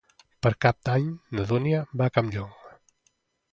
Per Cap d'Any na Dúnia va a Campllong.